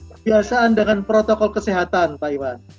kebiasaan dengan protokol kesehatan pak iwan